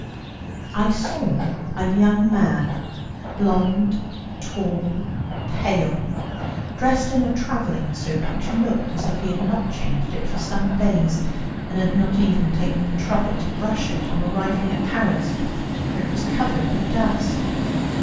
I saw a young man, blond, tall, pale, dressed in a travelling suit which looked as if he had not changed it for some days, and had not even taken the trouble to brush it on arriving at Paris, for it was covered with dust.